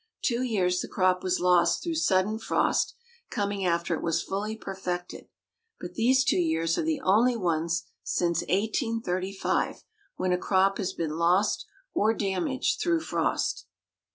Two years the crop was lost through sudden frost coming after it was fully perfected; but these two years are the only ones since 1835 when a crop has been lost or damaged through frost.